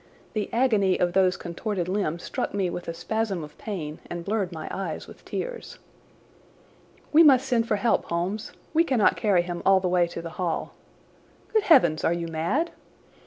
The agony of those contorted limbs struck me with a spasm of pain and blurred my eyes with tears. "We must send for help, Holmes! We cannot carry him all the way to the Hall. Good heavens, are you mad?"